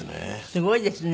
すごいですね。